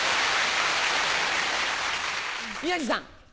宮治さん。